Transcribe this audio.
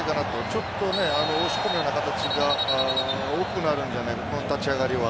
ちょっと押し込むような形が多くなるんじゃないかと立ち上がりは。